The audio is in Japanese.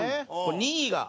２位が。